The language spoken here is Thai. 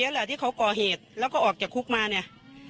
แหละที่เขาก่อเหตุแล้วก็ออกจากคุกมาเนี่ย